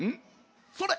それ！